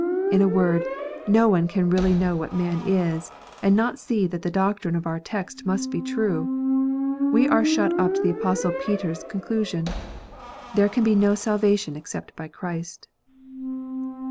In a word, no one can really know what man is, and not see that the doctrine of our text must be true. We are shut up to the Apostle Peter s con clusion. There can be no salvation except by Christ.